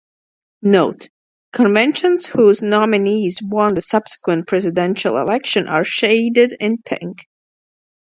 Note: Conventions whose nominees won the subsequent presidential election are shaded in pink.